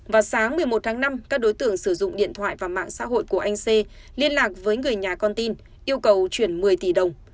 vào sáng một mươi một tháng năm các đối tượng sử dụng điện thoại và mạng xã hội của anh xê liên lạc với người nhà con tin yêu cầu chuyển một mươi tỷ đồng